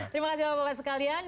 terima kasih bapak bapak sekalian